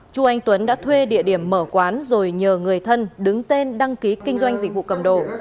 chu anh tuấn đã thuê địa điểm mở quán rồi nhờ người thân đứng tên đăng ký kinh doanh dịch vụ cầm đồ